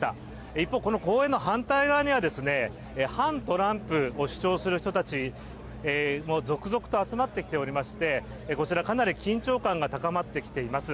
一方、この公園の反対側には反トランプを主張する人たちも続々と集まってきておりましてこちら、かなり緊張感が高まってきております